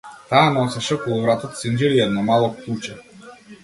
Таа носеше околу вратот синџир и едно мало клуче.